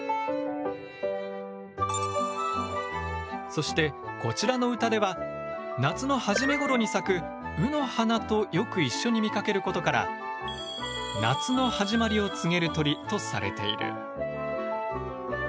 そしてこちらの歌では夏の初めごろに咲く卯の花とよく一緒に見かけることから夏の始まりを告げる鳥とされている。